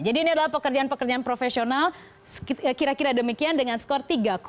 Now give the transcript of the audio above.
jadi ini adalah pekerjaan pekerjaan profesional kira kira demikian dengan skor tiga lima puluh satu